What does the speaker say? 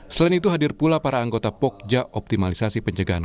selain itu hadir pula para anggota pogja optimalisasi pencegahan